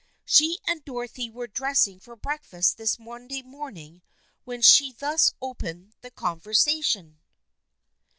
She and Dorothy were dressing for breakfast this Monday morning when she thus opened the conversation.